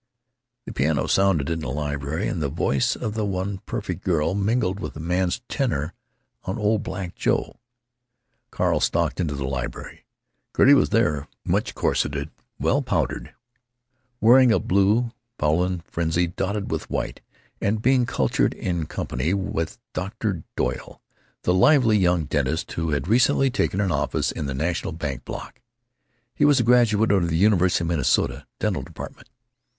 The piano sounded in the library, and the voice of the one perfect girl mingled with a man's tenor in "Old Black Joe." Carl stalked into the library. Gertie was there, much corseted, well powdered, wearing a blue foulard frenziedly dotted with white, and being cultured in company with Dr. Doyle, the lively young dentist who had recently taken an office in the National Bank Block. He was a graduate of the University of Minnesota—dental department.